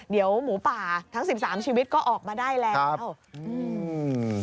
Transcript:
เดี๋ยวหมูป่าทั้ง๑๓ชีวิตก็ออกมาได้แล้ว